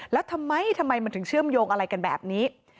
แล้วทำไมทำไมมันถึงเชื่อมโยงอะไรกันแบบนี้